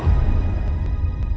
jangan lupa like share dan subscribe ya